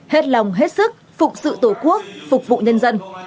hết lòng hết sức phục sự tổ quốc phục vụ nhân dân